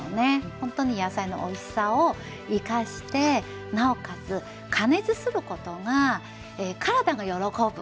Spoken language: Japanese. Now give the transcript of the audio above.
ほんとに野菜のおいしさを生かしてなおかつ加熱することが体が喜ぶ。